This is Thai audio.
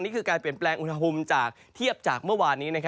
นี่คือการเปลี่ยนแปลงอุณหภูมิจากเทียบจากเมื่อวานนี้